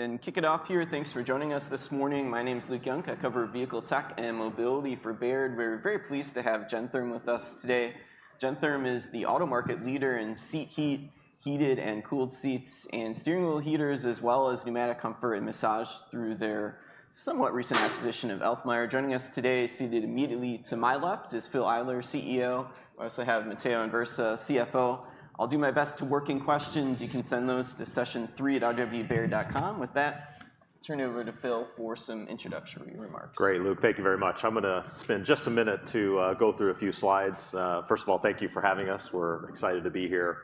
Thanks for joining us this morning. My name is Luke Junk. I cover vehicle tech and mobility for Baird. We're very pleased to have Gentherm with us today. Gentherm is the auto market leader in seat heat, heated and cooled seats, and steering wheel heaters, as well as pneumatic comfort and massage through their somewhat recent acquisition of Alfmeier. Joining us today, seated immediately to my left, is Phil Eyler, CEO. We also have Matteo Anversa, CFO. I'll do my best to work in questions. You can send those to session3@rwbaird.com. With that, I'll turn it over to Phil for some introductory remarks. Great, Luke. Thank you very much. I'm gonna spend just a minute to go through a few slides. First of all, thank you for having us. We're excited to be here.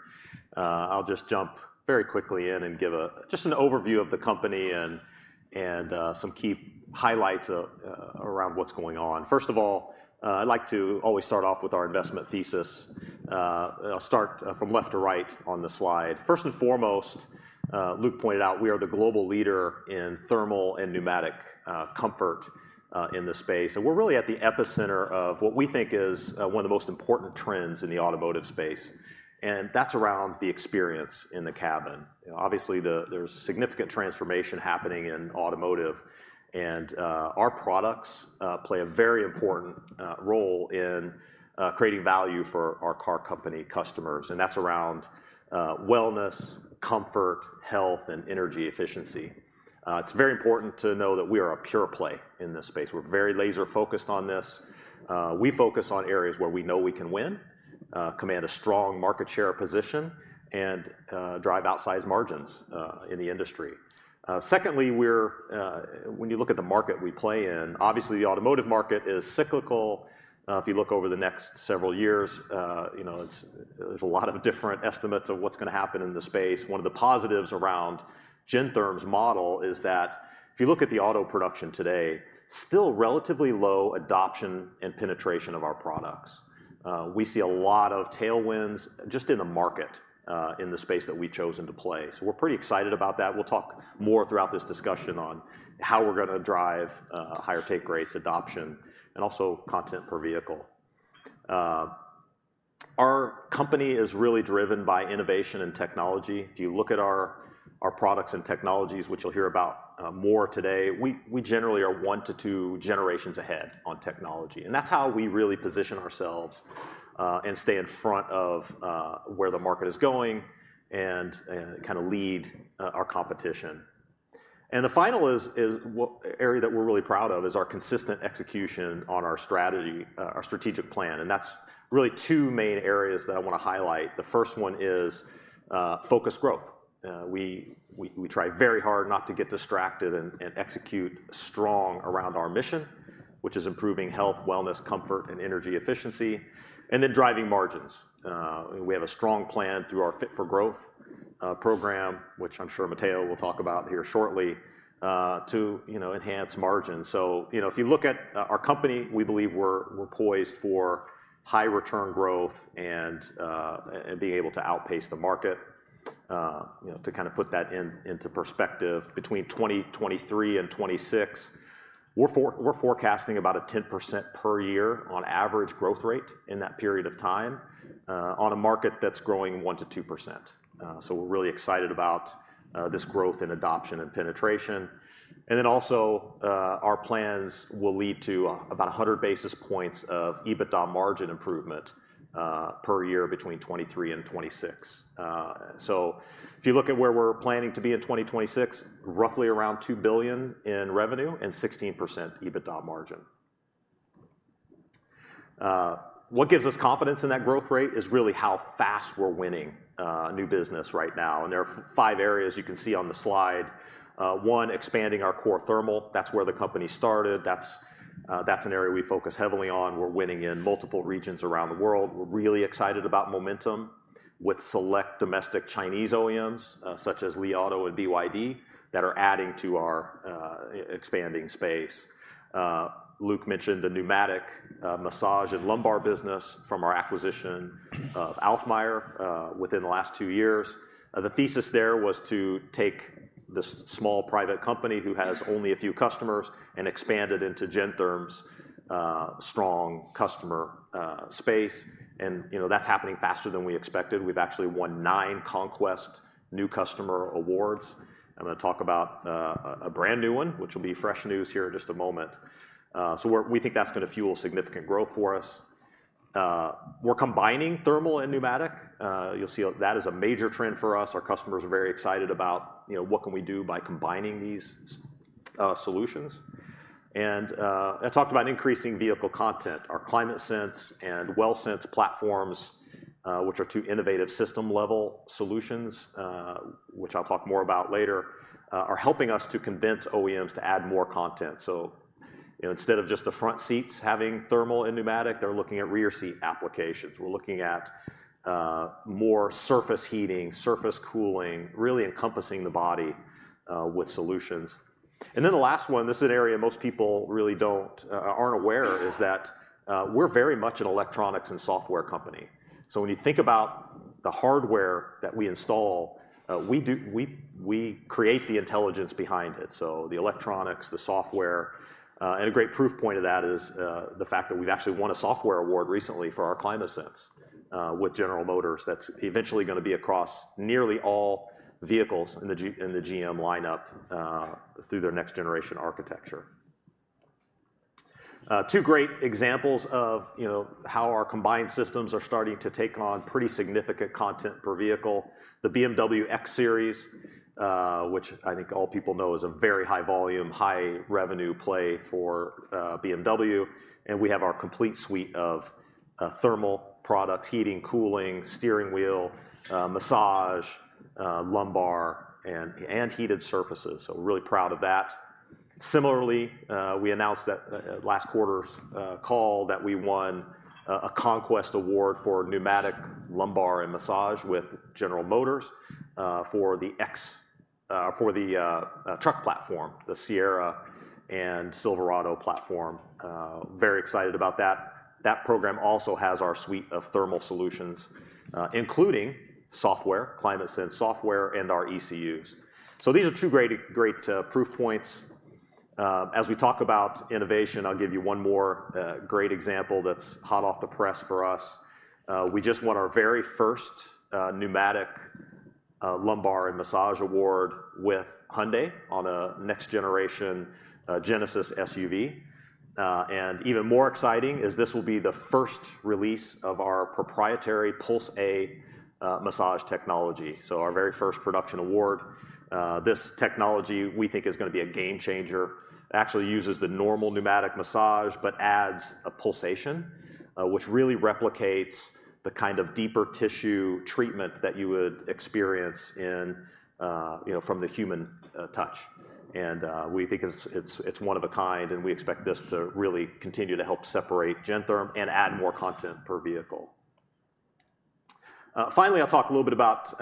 I'll just jump very quickly in and give just an overview of the company and some key highlights around what's going on. First of all, I'd like to always start off with our investment thesis. I'll start from left to right on the slide. First and foremost, Luke pointed out we are the global leader in thermal and pneumatic comfort in the space. And we're really at the epicenter of what we think is one of the most important trends in the automotive space, and that's around the experience in the cabin. Obviously, there's significant transformation happening in automotive, and our products play a very important role in creating value for our car company customers, and that's around wellness, comfort, health, and energy efficiency. It's very important to know that we are a pure play in this space. We're very laser-focused on this. We focus on areas where we know we can win, command a strong market share position, and drive outsized margins in the industry. Secondly, when you look at the market we play in, obviously, the automotive market is cyclical. If you look over the next several years, you know, there's a lot of different estimates of what's gonna happen in the space. One of the positives around Gentherm's model is that if you look at the auto production today, still relatively low adoption and penetration of our products. We see a lot of tailwinds just in the market, in the space that we've chosen to play, so we're pretty excited about that. We'll talk more throughout this discussion on how we're gonna drive, higher take rates, adoption, and also content per vehicle. Our company is really driven by innovation and technology. If you look at our, our products and technologies, which you'll hear about, more today, we, we generally are one to two generations ahead on technology, and that's how we really position ourselves, and stay in front of, where the market is going and, and kinda lead, our competition. The final area that we're really proud of is our consistent execution on our strategy, our strategic plan, and that's really two main areas that I wanna highlight. The first one is focused growth. We try very hard not to get distracted and execute strong around our mission, which is improving health, wellness, comfort, and energy efficiency, and then driving margins. We have a strong plan through our Fit for Growth program, which I'm sure Matteo will talk about here shortly, to enhance margins. So, you know, if you look at our company, we believe we're poised for high return growth and being able to outpace the market. You know, to kinda put that into perspective, between 2023 and 2026, we're forecasting about a 10% per year on average growth rate in that period of time, on a market that's growing 1%-2%. So we're really excited about this growth in adoption and penetration. And then also, our plans will lead to about 100 basis points of EBITDA margin improvement, per year between 2023 and 2026. So if you look at where we're planning to be in 2026, roughly around $2 billion in revenue and 16% EBITDA margin. What gives us confidence in that growth rate is really how fast we're winning new business right now, and there are five areas you can see on the slide. One, expanding our core thermal. That's where the company started. That's, that's an area we focus heavily on. We're winning in multiple regions around the world. We're really excited about momentum with select domestic Chinese OEMs, such as Li Auto and BYD, that are adding to our expanding space. Luke mentioned the pneumatic massage and lumbar business from our acquisition of Alfmeier within the last two years. The thesis there was to take this small private company, who has only a few customers, and expand it into Gentherm's strong customer space, and, you know, that's happening faster than we expected. We've actually won nine Conquest New Customer awards. I'm gonna talk about a brand-new one, which will be fresh news here in just a moment. So we think that's gonna fuel significant growth for us. We're combining thermal and pneumatic. You'll see that is a major trend for us. Our customers are very excited about, you know, what can we do by combining these solutions? And I talked about increasing vehicle content. Our ClimateSense and WellSense platforms, which are two innovative system-level solutions, which I'll talk more about later, are helping us to convince OEMs to add more content. So, you know, instead of just the front seats having thermal and pneumatic, they're looking at rear seat applications. We're looking at more surface heating, surface cooling, really encompassing the body with solutions. And then the last one, this is an area most people really aren't aware, is that we're very much an electronics and software company. So when you think about the hardware that we install, we create the intelligence behind it, so the electronics, the software. A great proof point of that is the fact that we've actually won a software award recently for our ClimateSense with General Motors that's eventually gonna be across nearly all vehicles in the GM lineup through their next generation architecture. Two great examples of, you know, how our combined systems are starting to take on pretty significant content per vehicle. The BMW X Series, which I think all people know is a very high volume, high revenue play for BMW, and we have our complete suite of thermal products, heating, cooling, steering wheel, massage, lumbar, and heated surfaces. So we're really proud of that. Similarly, we announced that, at last quarter's call, that we won a conquest award for pneumatic lumbar and massage with General Motors, for the truck platform, the Sierra and Silverado platform. Very excited about that. That program also has our suite of thermal solutions, including software, ClimateSense software, and our ECUs. So these are two great, great proof points. As we talk about innovation, I'll give you one more great example that's hot off the press for us. We just won our very first pneumatic lumbar and massage award with Hyundai on a next generation Genesis SUV. And even more exciting, is this will be the first release of our proprietary PulseA massage technology. So our very first production award. This technology we think is gonna be a game changer. It actually uses the normal pneumatic massage, but adds a pulsation, which really replicates the kind of deeper tissue treatment that you would experience in, you know, from the human touch. And we think it's one of a kind, and we expect this to really continue to help separate Gentherm and add more content per vehicle. Finally, I'll talk a little bit about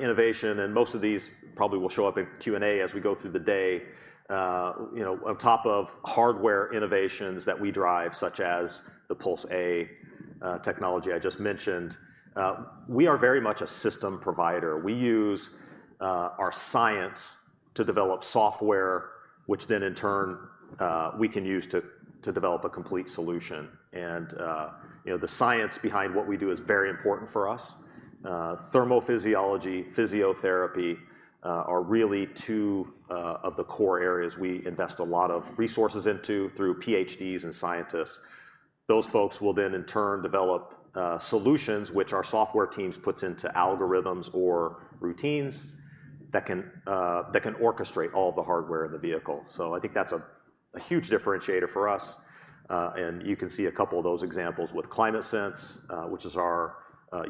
innovation, and most of these probably will show up in Q&A as we go through the day. You know, on top of hardware innovations that we drive, such as the Puls.A technology I just mentioned, we are very much a system provider. We use our science to develop software, which then in turn we can use to develop a complete solution. You know, the science behind what we do is very important for us. Thermophysiology, physiotherapy, are really two of the core areas we invest a lot of resources into through PhDs and scientists. Those folks will then in turn develop solutions which our software teams puts into algorithms or routines that can orchestrate all the hardware in the vehicle. So I think that's a huge differentiator for us, and you can see a couple of those examples with ClimateSense, which is our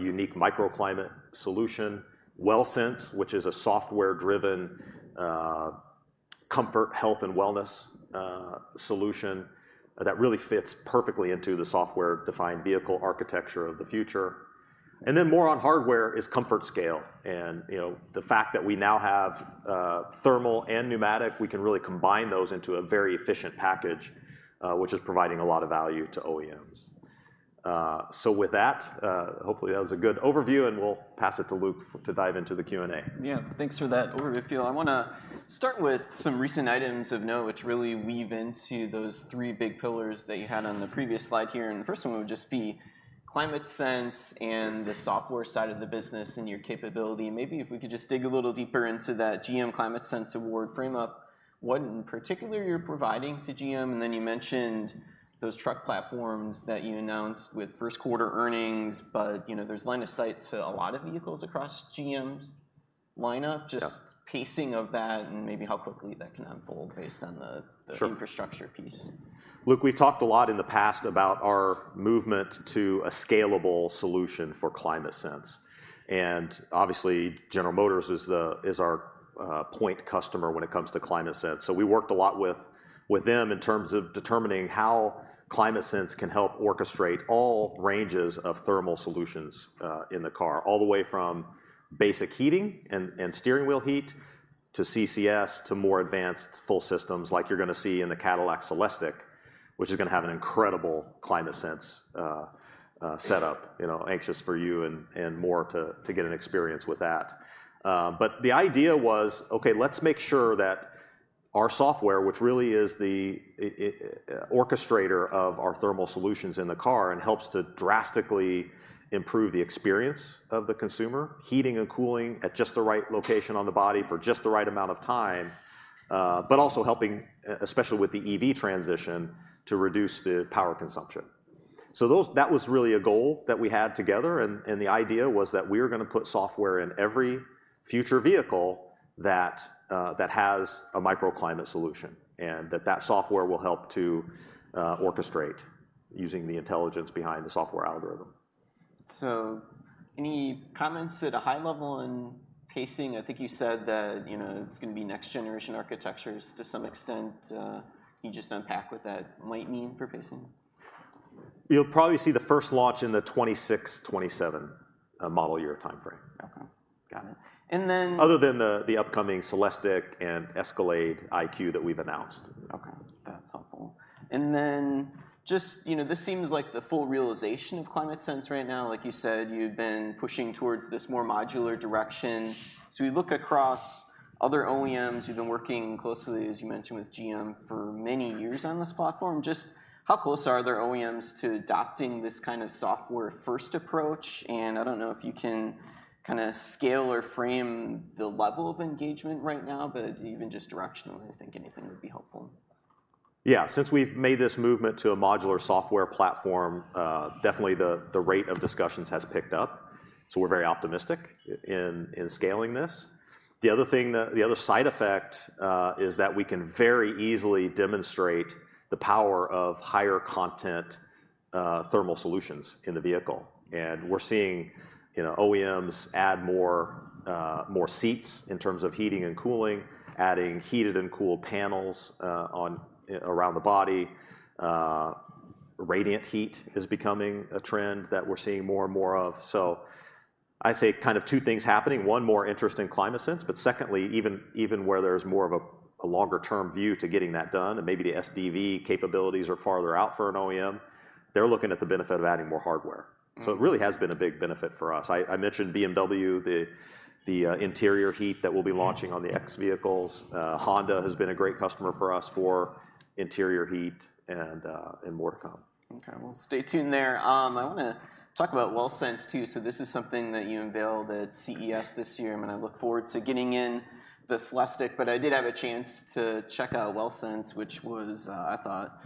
unique microclimate solution. WellSense, which is a software-driven comfort, health, and wellness solution that really fits perfectly into the software-defined vehicle architecture of the future. And then more on hardware is ComfortScale, and, you know, the fact that we now have, thermal and pneumatic, we can really combine those into a very efficient package, which is providing a lot of value to OEMs. So with that, hopefully, that was a good overview, and we'll pass it to Luke to dive into the Q&A. Yeah. Thanks for that overview, Phil. I wanna start with some recent items of note which really weave into those three big pillars that you had on the previous slide here, and the first one would just be ClimateSense and the software side of the business and your capability. Maybe if we could just dig a little deeper into that GM ClimateSense award. Frame up what in particular you're providing to GM, and then you mentioned those truck platforms that you announced with first quarter earnings, but, you know, there's line of sight to a lot of vehicles across GM's lineup. Yeah. Just pacing of that and maybe how quickly that can unfold based on the- Sure... the infrastructure piece. Luke, we've talked a lot in the past about our movement to a scalable solution for ClimateSense, and obviously, General Motors is our point customer when it comes to ClimateSense. So we worked a lot with them in terms of determining how ClimateSense can help orchestrate all ranges of thermal solutions in the car. All the way from basic heating and steering wheel heat, to CCS, to more advanced full systems like you're gonna see in the Cadillac Celestiq, which is gonna have an incredible ClimateSense setup. You know, anxious for you and more to get an experience with that. But the idea was, okay, let's make sure that our software, which really is the orchestrator of our thermal solutions in the car and helps to drastically improve the experience of the consumer, heating and cooling at just the right location on the body for just the right amount of time, but also helping especially with the EV transition, to reduce the power consumption. So that was really a goal that we had together, and, and the idea was that we were gonna put software in every future vehicle that has a microclimate solution, and that that software will help to orchestrate using the intelligence behind the software algorithm. Any comments at a high level on pacing? I think you said that, you know, it's gonna be next generation architectures to some extent. Can you just unpack what that might mean for pacing? You'll probably see the first launch in the 2026-2027 model year timeframe. Okay, got it. And then- Other than the upcoming Celestiq and Escalade IQ that we've announced. Okay, that's helpful. Then just, you know, this seems like the full realization of ClimateSense right now. Like you said, you've been pushing towards this more modular direction. So we look across other OEMs you've been working closely, as you mentioned, with GM for many years on this platform. How close are their OEMs to adopting this kind of software-first approach? And I don't know if you can kinda scale or frame the level of engagement right now, but even just directionally, I think anything would be helpful. Yeah. Since we've made this movement to a modular software platform, definitely the rate of discussions has picked up, so we're very optimistic in scaling this. The other thing that—the other side effect is that we can very easily demonstrate the power of higher content thermal solutions in the vehicle. And we're seeing, you know, OEMs add more more seats in terms of heating and cooling, adding heated and cooled panels on around the body. Radiant heat is becoming a trend that we're seeing more and more of. So I'd say kind of two things happening: one, more interest in ClimateSense, but secondly, even where there's more of a longer-term view to getting that done, and maybe the SDV capabilities are farther out for an OEM, they're looking at the benefit of adding more hardware. Mm-hmm. So it really has been a big benefit for us. I mentioned BMW, the interior heat that we'll be launching- Mm... on the X vehicles. Honda has been a great customer for us for interior heat and, and more to come. Okay, well, stay tuned there. I wanna talk about WellSense, too. So this is something that you unveiled at CES this year, and I look forward to getting in the Celestiq. But I did have a chance to check out WellSense, which was, I thought,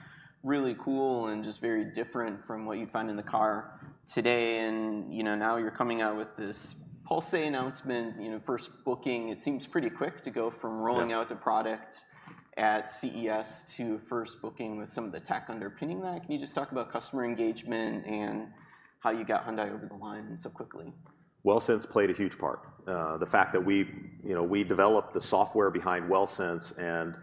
really cool and just very different from what you'd find in the car today. And, you know, now you're coming out with this Puls.A announcement, you know, first booking. It seems pretty quick to go from rolling out- Yeah... the product at CES to first booking with some of the tech underpinning that. Can you just talk about customer engagement and how you got Hyundai over the line so quickly? WellSense played a huge part. The fact that we, you know, we developed the software behind WellSense and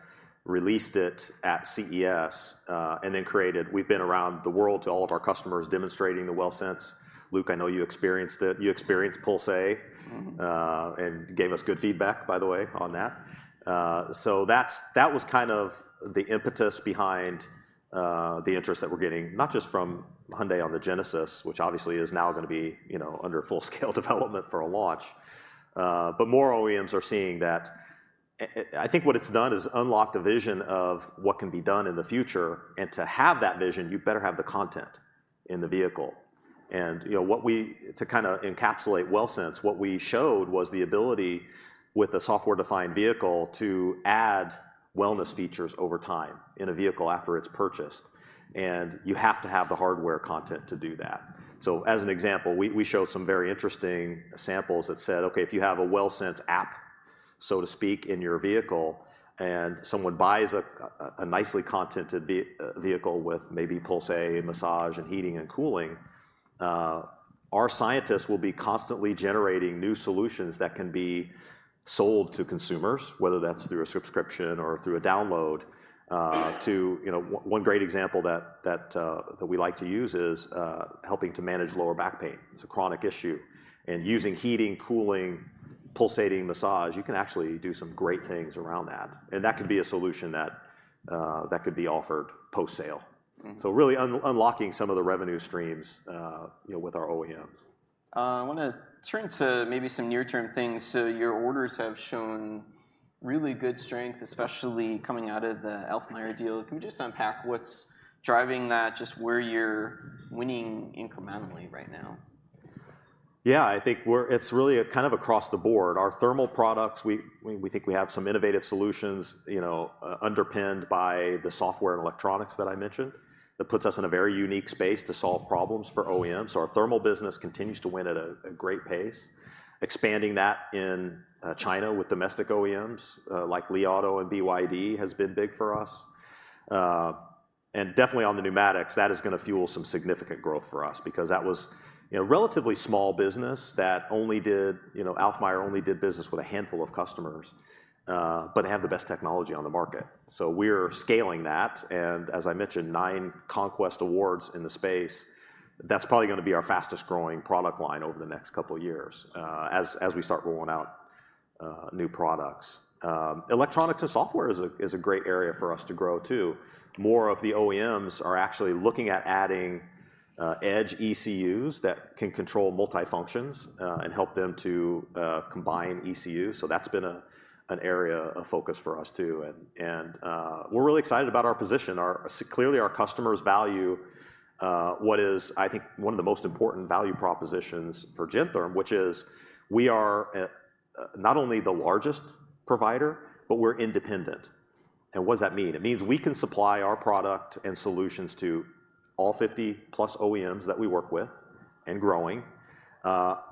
released it at CES, and then created... We've been around the world to all of our customers demonstrating the WellSense. Luke, I know you experienced it. You experienced Puls.A - Mm-hmm... and gave us good feedback, by the way, on that. So that was kind of the impetus behind the interest that we're getting, not just from Hyundai on the Genesis, which obviously is now gonna be, you know, under full-scale development for a launch. But more OEMs are seeing that. I think what it's done is unlocked a vision of what can be done in the future, and to have that vision, you better have the content in the vehicle. And, you know, what we... To kinda encapsulate WellSense, what we showed was the ability, with a software-defined vehicle, to add wellness features over time in a vehicle after it's purchased, and you have to have the hardware content to do that. So as an example, we showed some very interesting samples that said, okay, if you have a WellSense app, so to speak, in your vehicle, and someone buys a nicely contented vehicle with maybe Puls.A massage and heating and cooling, our scientists will be constantly generating new solutions that can be sold to consumers, whether that's through a subscription or through a download. You know, one great example that we like to use is helping to manage lower back pain. It's a chronic issue, and using heating, cooling, pulsating massage, you can actually do some great things around that, and that could be a solution that could be offered post-sale. Mm-hmm. Really unlocking some of the revenue streams, you know, with our OEMs. I wanna turn to maybe some near-term things. So your orders have shown really good strength, especially coming out of the Alfmeier deal. Can you just unpack what's driving that, just where you're winning incrementally right now? Yeah, I think we're- it's really a kind of across the board. Our thermal products, we think we have some innovative solutions, you know, underpinned by the software and electronics that I mentioned. That puts us in a very unique space to solve problems for OEMs. So our thermal business continues to win at a great pace. Expanding that in China with domestic OEMs, like Li Auto and BYD, has been big for us. And definitely on the pneumatics, that is gonna fuel some significant growth for us because that was, you know, relatively small business that only did... You know, Alfmeier only did business with a handful of customers, but had the best technology on the market. So we're scaling that, and as I mentioned, nine Conquest Awards in the space. That's probably gonna be our fastest-growing product line over the next couple of years, as we start rolling out new products. Electronics and software is a great area for us to grow, too. More of the OEMs are actually looking at adding edge ECUs that can control multi-functions and help them to combine ECUs, so that's been an area of focus for us too. And we're really excited about our position. Ours is clearly, our customers value what is, I think, one of the most important value propositions for Gentherm, which is we are not only the largest provider, but we're independent. And what does that mean? It means we can supply our product and solutions to all 50-plus OEMs that we work with, and growing,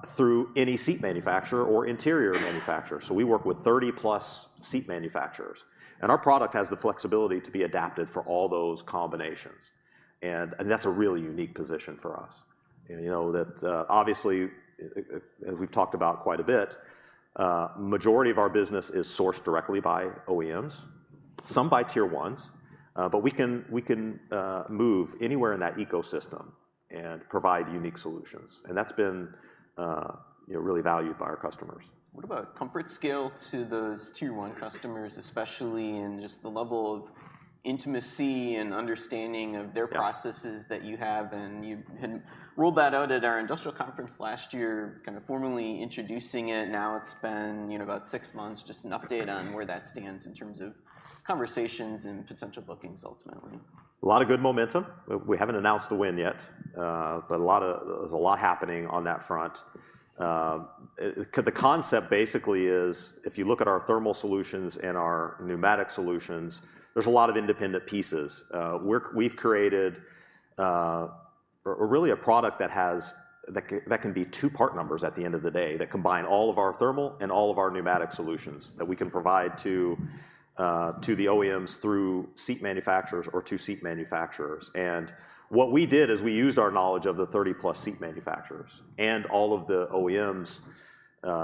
through any seat manufacturer or interior manufacturer. So we work with 30+ seat manufacturers, and our product has the flexibility to be adapted for all those combinations, and that's a really unique position for us. And, you know, that obviously, as we've talked about quite a bit, majority of our business is sourced directly by OEMs, some by Tier 1s. But we can move anywhere in that ecosystem and provide unique solutions, and that's been, you know, really valued by our customers. What about ComfortScale to those Tier 1 customers, especially, and just the level of intimacy and understanding of their- Yeah processes that you have, and you had ruled that out at our industrial conference last year, kind of formally introducing it. Now it's been, you know, about six months. Just an update on where that stands in terms of conversations and potential bookings ultimately. A lot of good momentum. We haven't announced the win yet, but a lot... There's a lot happening on that front. The concept basically is, if you look at our thermal solutions and our pneumatic solutions, there's a lot of independent pieces. We've created a really a product that can be two part numbers at the end of the day, that combine all of our thermal and all of our pneumatic solutions, that we can provide to the OEMs through seat manufacturers or to seat manufacturers. What we did is we used our knowledge of the 30-plus seat manufacturers and all of the OEMs'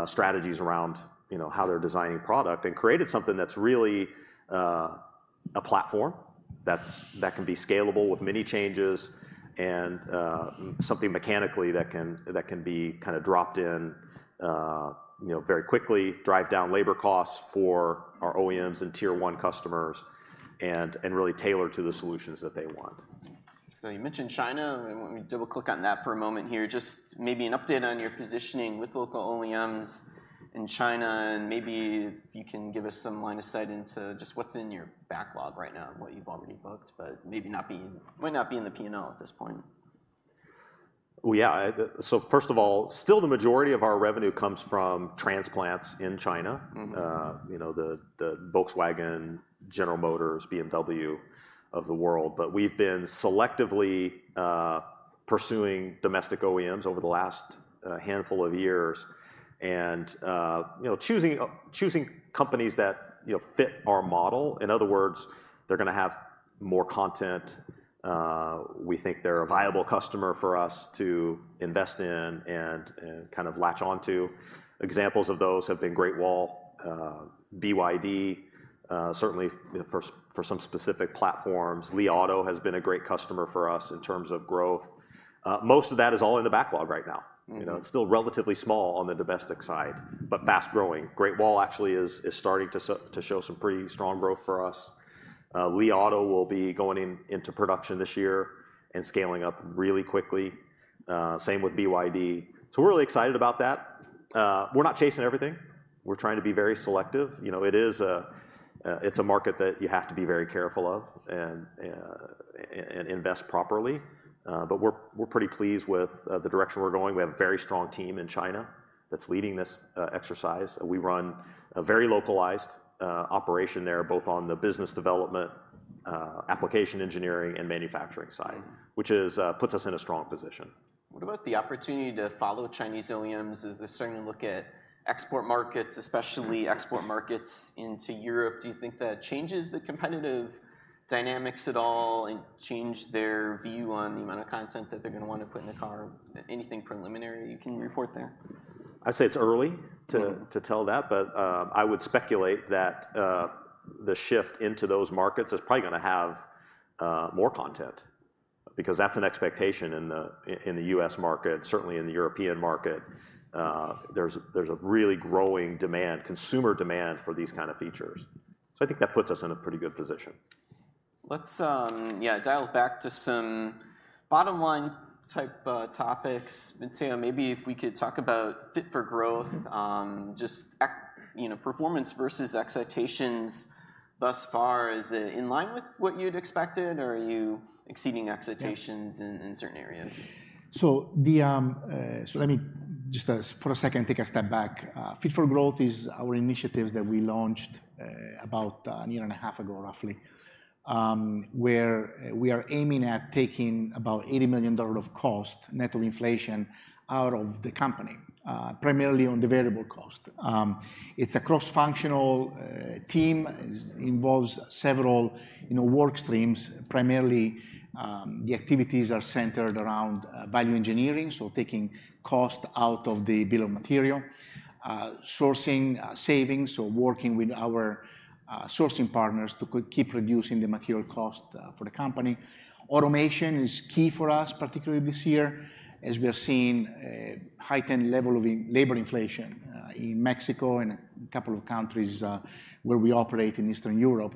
strategies around, you know, how they're designing product, and created something that's really a platform that can be scalable with many changes and something mechanically that can be kind of dropped in, you know, very quickly, drive down labor costs for our OEMs and Tier 1 customers, and really tailor to the solutions that they want. So you mentioned China, and let me double click on that for a moment here. Just maybe an update on your positioning with local OEMs in China, and maybe if you can give us some line of sight into just what's in your backlog right now and what you've already booked, but maybe not be, might not be in the P&L at this point. Well, yeah. So first of all, still the majority of our revenue comes from transplants in China. Mm-hmm. You know, the Volkswagen, General Motors, BMW of the world. But we've been selectively pursuing domestic OEMs over the last handful of years and, you know, choosing companies that, you know, fit our model. In other words, they're gonna have more content, we think they're a viable customer for us to invest in and kind of latch on to. Examples of those have been Great Wall, BYD, certainly for some specific platforms. Li Auto has been a great customer for us in terms of growth. Most of that is all in the backlog right now. Mm-hmm. You know, it's still relatively small on the domestic side, but fast growing. Great Wall actually is starting to show some pretty strong growth for us. Li Auto will be going into production this year and scaling up really quickly. Same with BYD. So we're really excited about that. We're not chasing everything. We're trying to be very selective. You know, it is a market that you have to be very careful of and invest properly. But we're pretty pleased with the direction we're going. We have a very strong team in China that's leading this exercise. We run a very localized operation there, both on the business development, application engineering, and manufacturing side. Mm-hmm... which is, puts us in a strong position. What about the opportunity to follow Chinese OEMs as they're starting to look at export markets, especially export markets into Europe? Do you think that changes the competitive dynamics at all and change their view on the amount of content that they're gonna wanna put in the car? Anything preliminary you can report there? I'd say it's early to- Mm... to tell that, but, I would speculate that the shift into those markets is probably gonna have more content, because that's an expectation in the U.S. market, certainly in the European market. There's a really growing demand, consumer demand for these kind of features. So I think that puts us in a pretty good position. Let's dial back to some bottom line type topics. Matteo, maybe if we could talk about Fit for Growth. Mm-hmm. you know, performance versus expectations thus far. Is it in line with what you'd expected, or are you exceeding expectations? Yeah in certain areas? So let me just, for a second, take a step back. Fit for Growth is our initiatives that we launched, about a year and a half ago, roughly. Where we are aiming at taking about $80 million of cost, net of inflation, out of the company, primarily on the variable cost. It's a cross-functional team, involves several, you know, work streams, primarily, the activities are centered around value engineering, so taking cost out of the bill of material. Sourcing savings, so working with our sourcing partners to keep reducing the material cost for the company. Automation is key for us, particularly this year, as we are seeing a heightened level of labor inflation in Mexico and a couple of countries where we operate in Eastern Europe.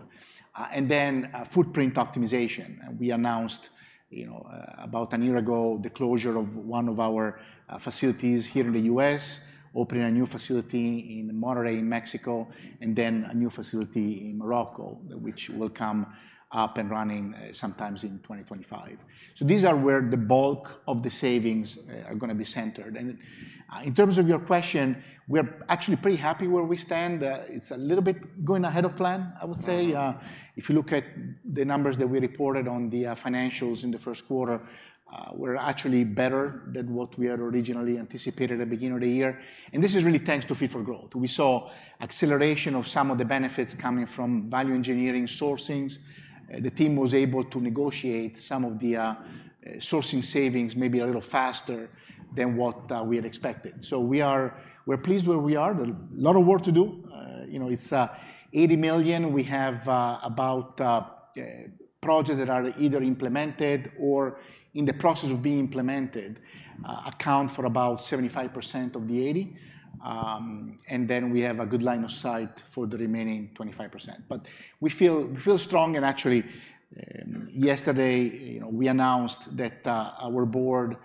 Footprint optimization. We announced, you know, about a year ago, the closure of one of our facilities here in the U.S., opening a new facility in Monterrey, Mexico, and then a new facility in Morocco, which will come up and running sometimes in 2025. So these are where the bulk of the savings are gonna be centered. In terms of your question, we're actually pretty happy where we stand. It's a little bit going ahead of plan, I would say. If you look at the numbers that we reported on the financials in the first quarter, we're actually better than what we had originally anticipated at the beginning of the year, and this is really thanks to Fit for Growth. We saw acceleration of some of the benefits coming from value engineering sourcings. The team was able to negotiate some of the sourcing savings maybe a little faster than what we had expected. So we are- we're pleased where we are. There's a lot of work to do. You know, it's $80 million. We have about projects that are either implemented or in the process of being implemented account for about 75% of the $80. And then we have a good line of sight for the remaining 25%. But we feel, we feel strong and actually yesterday, you know, we announced that our board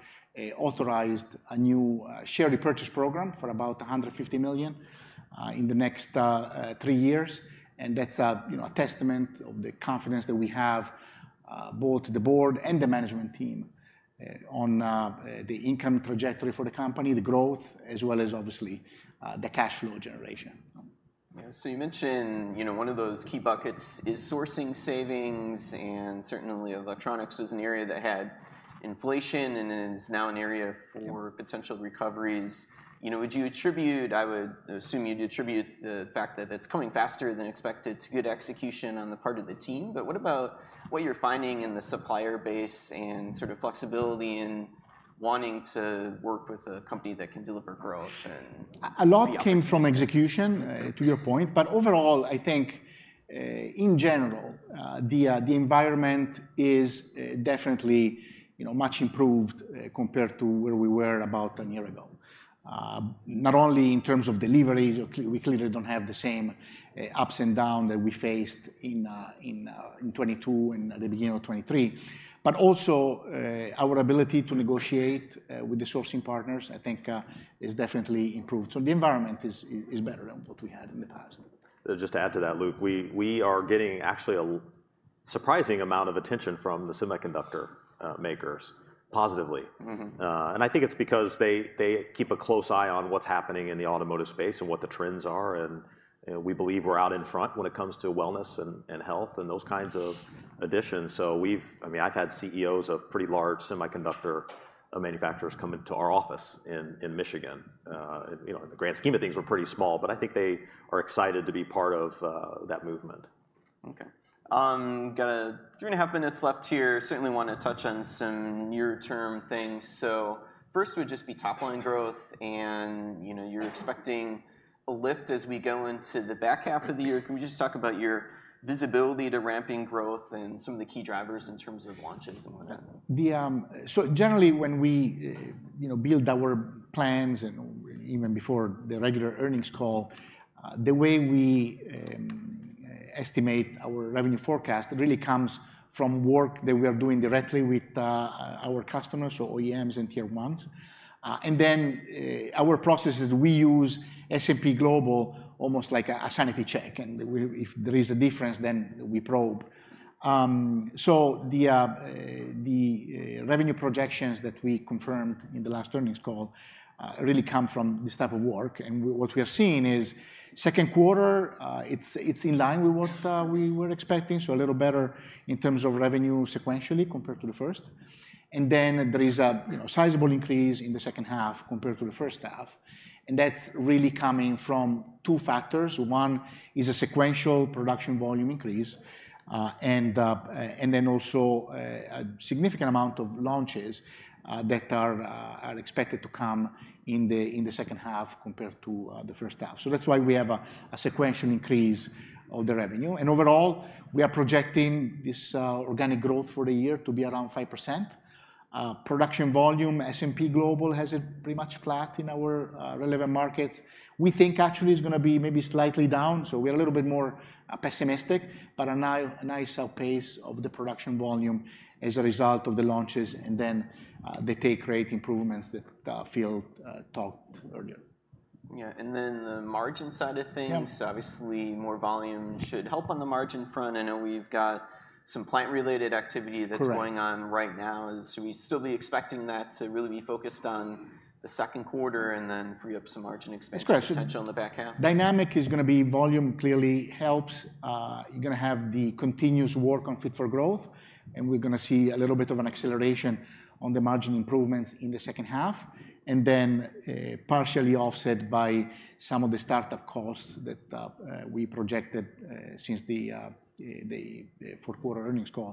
authorized a new share repurchase program for about $150 million in the next three years. And that's, you know, a testament of the confidence that we have, both the board and the management team, on the income trajectory for the company, the growth, as well as obviously, the cash flow generation. Yeah. So you mentioned, you know, one of those key buckets is sourcing savings, and certainly, electronics is an area that had inflation and is now an area for- Yeah Potential recoveries. You know, would you attribute... I would assume you'd attribute the fact that that's coming faster than expected to good execution on the part of the team. But what about what you're finding in the supplier base, and sort of flexibility in wanting to work with a company that can deliver growth and the opportunities? A lot came from execution, to your point, but overall, I think, in general, the environment is definitely, you know, much improved, compared to where we were about a year ago. Not only in terms of deliveries, we clearly don't have the same ups and down that we faced in 2022 and at the beginning of 2023, but also our ability to negotiate with the sourcing partners, I think, is definitely improved. So the environment is, is better than what we had in the past. Just to add to that, Luke, we are getting actually a surprising amount of attention from the semiconductor makers, positively. Mm-hmm. And I think it's because they keep a close eye on what's happening in the automotive space and what the trends are, and we believe we're out in front when it comes to wellness and health, and those kinds of additions. So, I mean, I've had CEOs of pretty large semiconductor manufacturers come into our office in Michigan. You know, in the grand scheme of things, we're pretty small, but I think they are excited to be part of that movement. Okay. Got a 3.5 minutes left here. Certainly want to touch on some near-term things. So first would just be top-line growth, and, you know, you're expecting a lift as we go into the back half of the year. Can we just talk about your visibility to ramping growth and some of the key drivers in terms of launches and whatnot? So generally, when we, you know, build our plans and even before the regular earnings call, the way we estimate our revenue forecast, it really comes from work that we are doing directly with our customers, so OEMs and Tier 1s. And then, our processes, we use S&P Global, almost like a sanity check, and we, if there is a difference, then we probe. So the revenue projections that we confirmed in the last earnings call really come from this type of work. And what we are seeing is second quarter, it's in line with what we were expecting, so a little better in terms of revenue sequentially, compared to the first. And then there is a, you know, sizable increase in the second half compared to the first half, and that's really coming from two factors. One is a sequential production volume increase, and then also a significant amount of launches that are expected to come in the second half compared to the first half. So that's why we have a sequential increase of the revenue. And overall, we are projecting this organic growth for the year to be around 5%. Production volume, S&P Global has it pretty much flat in our relevant markets. We think actually it's gonna be maybe slightly down, so we're a little bit more pessimistic, but a nice pace of the production volume as a result of the launches, and then, the take rate improvements that, Phil, talked earlier. Yeah, and then the margin side of things- Yeah. Obviously, more volume should help on the margin front. I know we've got some plant-related activity- Correct that's going on right now. So we still be expecting that to really be focused on the second quarter and then free up some margin expansion. Correct potential on the back half? Dynamic is gonna be volume clearly helps. You're gonna have the continuous work on Fit for Growth, and we're gonna see a little bit of an acceleration on the margin improvements in the second half, and then, partially offset by some of the startup costs that we projected since the the fourth quarter earnings call,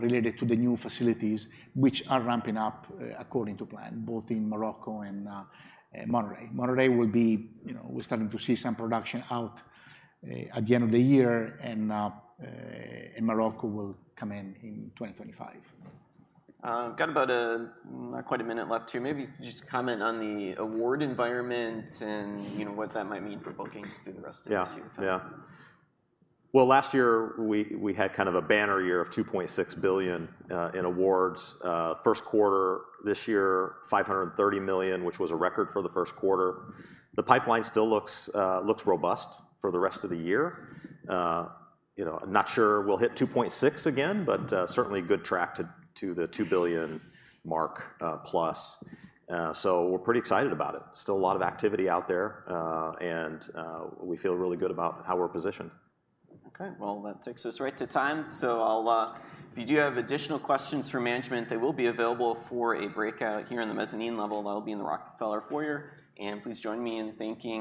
related to the new facilities, which are ramping up according to plan, both in Morocco and Monterrey. Monterrey will be, you know, we're starting to see some production out at the end of the year, and and Morocco will come in in 2025. Got about, not quite a minute left too. Maybe just comment on the award environment and, you know, what that might mean for Bookings through the rest of this year. Yeah. Yeah. Well, last year, we had kind of a banner year of $2.6 billion in awards. First quarter this year, $530 million, which was a record for the first quarter. The pipeline still looks robust for the rest of the year. You know, I'm not sure we'll hit $2.6 again, but certainly good track to the $2 billion mark plus. So we're pretty excited about it. Still a lot of activity out there, and we feel really good about how we're positioned. Okay, well, that takes us right to time, so I'll... If you do have additional questions for management, they will be available for a breakout here in the mezzanine level. That'll be in the Rockefeller Foyer, and please join me in thanking-